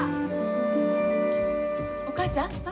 お母ちゃん。